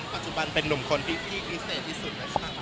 ปัจจุบันเป็นหนุ่มคนที่พิเศษที่สุด